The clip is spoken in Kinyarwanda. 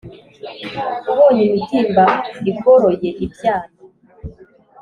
Ubone imibyimba igoroye ibyano